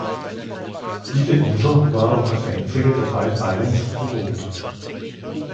Diese Insel war auch als einzige der Five Islands bewohnt.